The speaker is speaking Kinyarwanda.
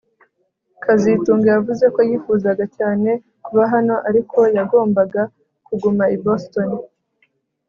kazitunga yavuze ko yifuzaga cyane kuba hano ariko yagombaga kuguma i Boston